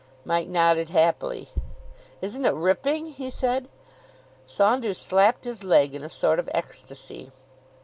Mike nodded happily. "Isn't it ripping," he said. Saunders slapped his leg in a sort of ecstasy.